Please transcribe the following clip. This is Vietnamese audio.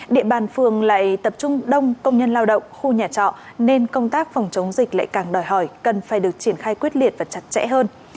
địa bàn phường lại tập trung đông công nhân lao động khu nhà trọ nên công tác phòng chống dịch lại càng đòi hỏi cần phải được triển khai quyết liệt và chặt chẽ hơn